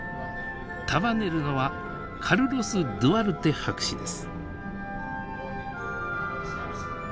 束ねるのはカルロス・ドゥアルテ博士です。